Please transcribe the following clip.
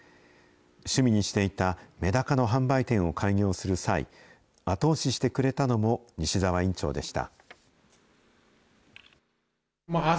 趣味にしていたメダカの販売店を開業する際、後押ししてくれたのも、西澤院長でした。